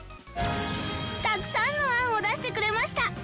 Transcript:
たくさんの案を出してくれました